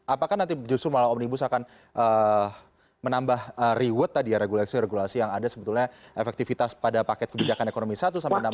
apakah nanti justru malah omnibus akan menambah reward tadi ya regulasi regulasi yang ada sebetulnya efektivitas pada paket kebijakan ekonomi satu sampai enam belas